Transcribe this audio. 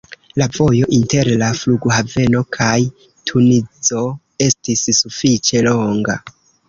La vojo inter la flughaveno kaj Tunizo estis sufiĉe longa.